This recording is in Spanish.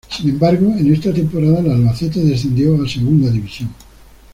Sin embargo, en esta temporada, el Albacete descendió a Segunda División.